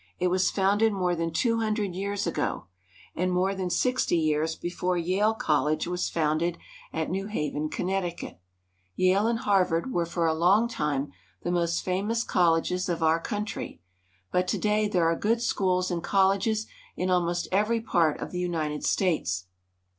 It was founded more than two hundred years ago, and more than 94 BOSTON. sixty years before Yale College was founded at New Haven, Connecticut. Yale and Harvard were for a long time the most fa 4" X 3 _. f ^^ kd Harvard Gateway. olution. mous colleges of our country ; but to day there are good schools and colleges in almost every part of the United States.